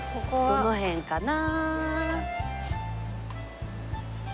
どの辺かな？